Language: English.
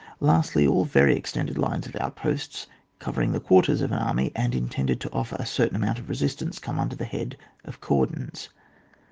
Lastly, all very extended lines of out posts covering the quarters of an army and intended to offer a certain amount of resistance come under the head of cordons.